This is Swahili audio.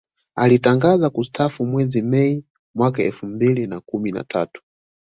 Alitangaza kustaafu mwezi Mei mwaka elfu mbili na kumi na tatu